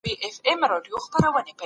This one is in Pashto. محمد ستاسو پيغمبر دی.